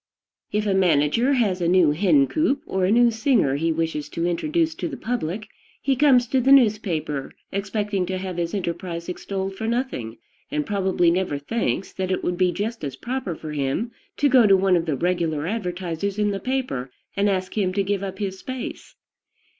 If a manager has a new hen coop or a new singer he wishes to introduce to the public, he comes to the newspaper, expecting to have his enterprise extolled for nothing, and probably never thinks that it would be just as proper for him to go to one of the regular advertisers in the paper and ask him to give up his space.